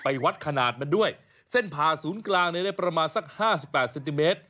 ไปวัดขนาดมาด้วยเส้นผ่าศูนย์กลางเนี่ยได้ประมาณสัก๕๘เซนติเมตร